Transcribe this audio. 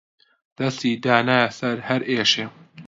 دەستی دانایە لەسەر هەر ئێشێ